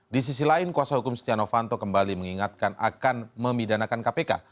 di sisi lain kuasa hukum setia novanto kembali mengingatkan akan memidanakan kpk